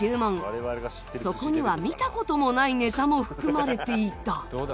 そこには見た事もないネタも含まれていた。